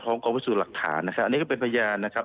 กองพิสูจน์หลักฐานนะครับอันนี้ก็เป็นพยานนะครับ